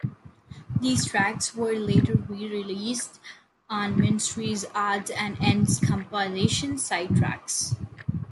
These tracks were later re-released on Ministry's odds-and-ends compilation "Side Trax".